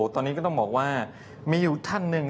ตอนนี้ก็ต้องบอกว่ามีอยู่ท่านหนึ่ง